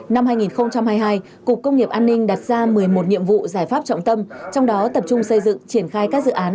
năm hai nghìn hai mươi hai cục công nghiệp an ninh đặt ra một mươi một nhiệm vụ giải pháp trọng tâm trong đó tập trung xây dựng triển khai các dự án